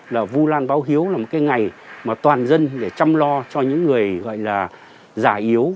là vu lan báo hiếu là một cái ngày mà toàn dân để chăm lo cho những người gọi là già yếu